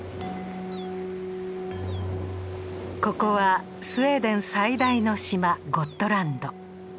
ここはスウェーデン最大の島ゴットランド。